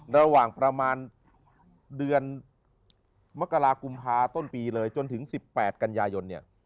ระหว่างประมาณเดือนมกรากุมภาต้นปีเลยจนถึง๑๘กันยายนเนี่ย